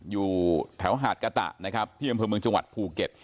อยู่แถวหาดกะตะห้ามเขือเมืองจังหวัดภูเก็ต